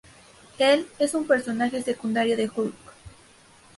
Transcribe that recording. Él es un personaje secundario de Hulk.